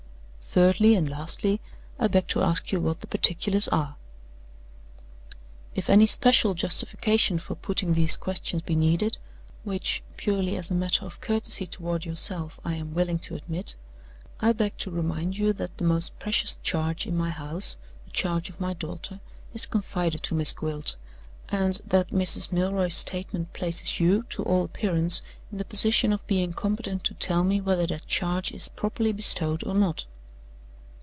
Thirdly, and lastly, I beg to ask you what the particulars are? "If any special justification for putting these questions be needed which, purely as a matter of courtesy toward yourself, I am willing to admit I beg to remind you that the most precious charge in my house, the charge of my daughter, is confided to Miss Gwilt; and that Mrs. Milroy's statement places you, to all appearance, in the position of being competent to tell me whether that charge is properly bestowed or not.